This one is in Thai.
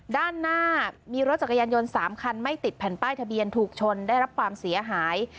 ด้านหน้ามีรถจักรยานยนต์๓คันไม่ติดแผ่นป้ายทะเบียนถูกชนได้รับความเสียหาย